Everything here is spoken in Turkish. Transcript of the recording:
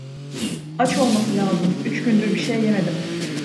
Aç olması lazım… Üç gündür bir şey yemedim.